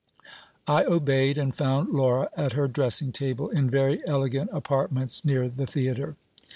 I obeyed, and found Laura at her dressing table in very elegant apartments near the theatre.